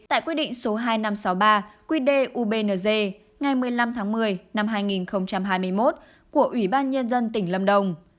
tại quy định số hai nghìn năm trăm sáu mươi ba quy đề ubnz ngày một mươi năm tháng một mươi năm hai nghìn hai mươi một của ủy ban nhân dân tỉnh lâm đồng